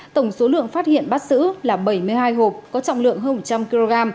tổng số lượng phát hiện bắt giữ là bảy mươi hai hộp có trọng lượng hơn một trăm linh kg